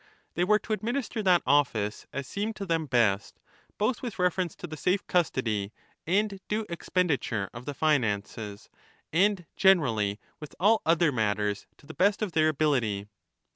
They were to administer that office as seemed to them best, both with reference to the safe custody and due expenditure of the finances, and gene rally with all other matters to the best of their ability.